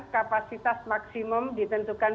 kapasitas maksimum ditentukan